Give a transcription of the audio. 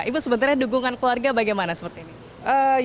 ibu sebenarnya dukungan keluarga bagaimana seperti ini